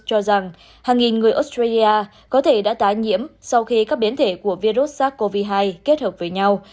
cho rằng hàng nghìn người australia có thể đã tái nhiễm sau khi các biến thể của virus sars cov hai kết hợp với nhau